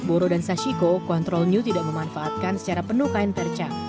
ketika menjelaskan bahwa produk control new tidak memanfaatkan secara penuh kain perca